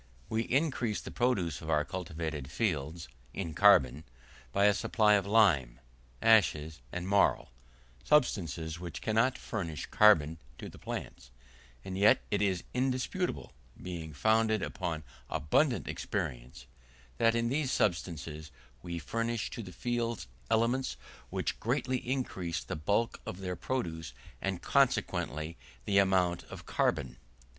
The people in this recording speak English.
We increase the produce of our cultivated fields, in carbon, by a supply of lime, ashes, and marl, substances which cannot furnish carbon to the plants, and yet it is indisputable, being founded upon abundant experience, that in these substances we furnish to the fields elements which greatly increase the bulk of their produce, and consequently the amount of carbon.